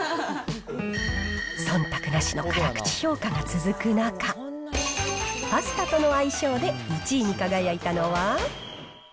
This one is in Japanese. そんたくなしの辛口評価が続く中、パスタとの相性で１位に輝いたのは。